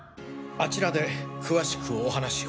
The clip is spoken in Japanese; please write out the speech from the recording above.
あちらで詳しくお話を。